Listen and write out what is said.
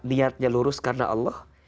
niatnya lurus karena allah